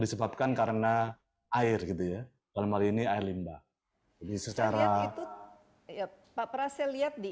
disebabkan karena air gitu ya dalam hal ini air limbah jadi secara itu ya pak praset lihat di